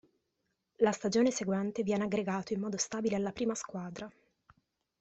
La stagione seguente viene aggregato in modo stabile alla prima squadra.